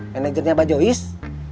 manajernya mbak joyce